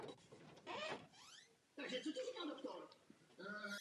Areál dolu se postupně rozrůstal.